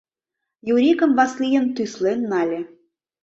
Юрикым, Васлийым тӱслен нале.